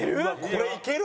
これいける？